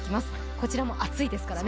こちらも熱いですからね。